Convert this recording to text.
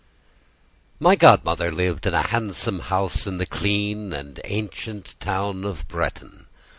My godmother lived in a handsome house in the clean and ancient town of Bretton.